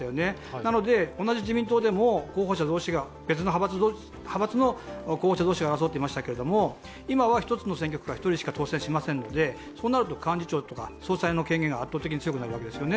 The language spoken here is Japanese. なので同じ自民党でも別の派閥の候補者同士が争っていましたが、今は１つの選挙区から１人しか当選しませんのでそうなると幹事長とか総裁の権限が圧倒的に強くなるわけですね。